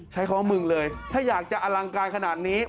ใช้คำว่ามึงเลยถ้าอยากจะอลังการขนาดนี้